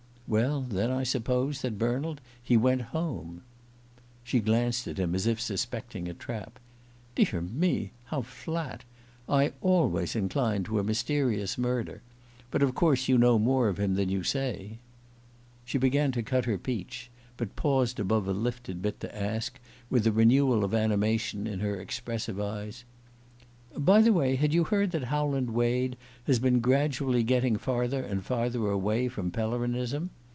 "Well, then, I suppose," said Bernald, "he went home." She glanced at him as if suspecting a trap. "Dear me, how flat! I always inclined to a mysterious murder. But of course you know more of him than you say." She began to cut her peach, but paused above a lifted bit to ask, with a renewal of animation in her expressive eyes: "By the way, had you heard that Howland Wade has been gradually getting farther and farther away from Pellerinism?